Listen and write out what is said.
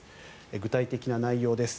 具体的な内容です。